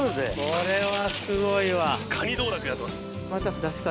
これはすごいわ。